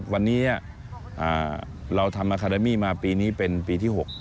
วันนี้เราทำอาคาเดมี่มาปีนี้เป็นปีที่๖